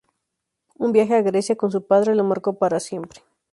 Un viaje a Grecia con su padre lo marcó para siempre.